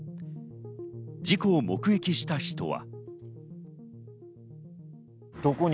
事故を目撃した人は。